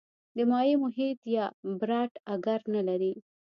د مایع محیط یا براټ اګر نه لري.